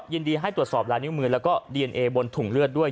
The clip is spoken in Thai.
ยินดีให้ตรวจสอบลายนิ้วมือแล้วก็ดีเอนเอบนถุงเลือดด้วย